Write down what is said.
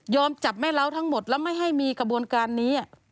จับแม่เล้าทั้งหมดแล้วไม่ให้มีกระบวนการนี้